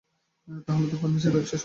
তাহলে তো ফার্মেসীর ব্যাবসায় সবুজ বাত্তি।